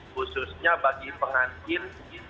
khususnya bagi pengantin